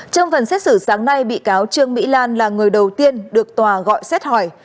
trong phần xét xử sáng nay bị cáo trương mỹ lan là người đầu tiên được tòa gọi xét hỏi